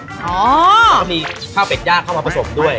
แล้วก็มีข้าวเป็ดย่างเข้ามาผสมด้วย